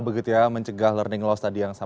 begitu ya mencegah learning loss tadi yang